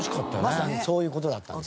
まさにそういう事だったんですね。